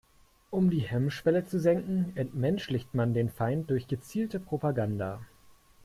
Um die Hemmschwelle zu senken, entmenschlicht man den Feind durch gezielte Propaganda.